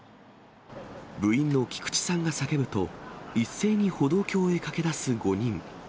部員の菊池さんが叫ぶと、一斉に歩道橋へ駆け出す５人。